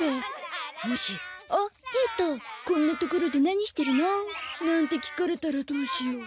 もし「あっ平太こんな所で何してるの？」なんて聞かれたらどうしよう？